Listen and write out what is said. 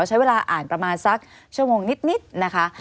ใช้เวลาอ่านประมาณสักชั่วโมงนิดนะคะ